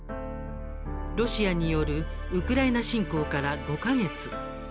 ロシアによるウクライナ侵攻から５か月。